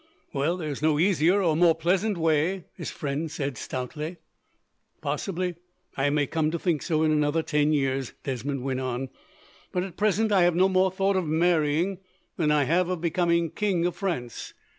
"Well, there is no easier or more pleasant way," his friend said, stoutly. "Possibly I may come to think so, in another ten years," Desmond went on, "but, at present, I have no more thought of marrying than I have of becoming king of France.